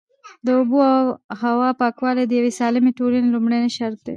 د اوبو او هوا پاکوالی د یوې سالمې ټولنې لومړنی شرط دی.